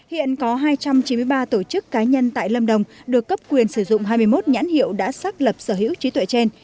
hiện có hai trăm chín mươi ba tổ chức cá nhân tại lâm đồng được cấp quyền sử dụng hai mươi một nhãn hiệu đã xác lập sở hữu trí tuệ trên